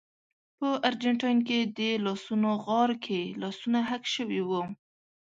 په ارجنټاین کې د لاسونو غار کې لاسونه حک شوي وو.